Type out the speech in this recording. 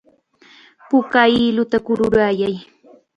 Puka hiluta kururayay.